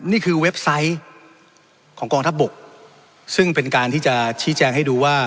เว็บไซต์ของกองทัพบกซึ่งเป็นการที่จะชี้แจงให้ดูว่า